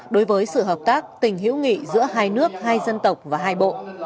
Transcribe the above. đối với sự hợp tác tình hữu nghị giữa hai nước hai dân tộc và hai bộ